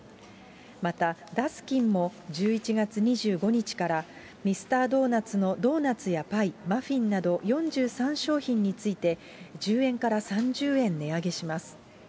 また、ダスキンも１１月２５日から、ミスタードーナツのドーナツやパイ、マフィンなど４３商品について、１０円から３０円値上げします。